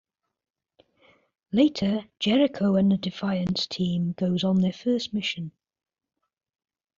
Later, Jericho and the Defiance team goes on their first mission.